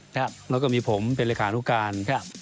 แล้วก็มีผมเป็นรายการทุกการ